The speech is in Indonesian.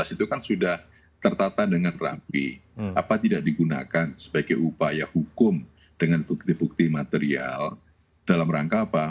itu kan sudah tertata dengan rapi apa tidak digunakan sebagai upaya hukum dengan bukti bukti material dalam rangka apa